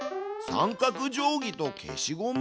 三角定規と消しゴム？